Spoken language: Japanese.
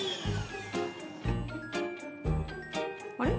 あれ？